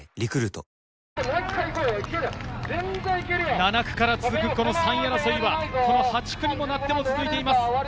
７区から続く３位争いは、８区になっても続いています。